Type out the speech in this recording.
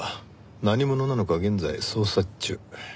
何者なのか現在捜査中。